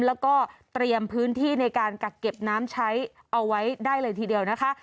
แล้วก็เตรียมพื้นที่ในการกักเก็บน้ำใช้เอาไว้ได้เลยทีเดียวนะคะ